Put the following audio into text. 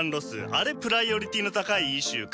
あれプライオリティーの高いイシューかと。